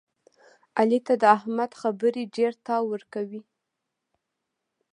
علي ته د احمد خبرې ډېرتاو ورکوي.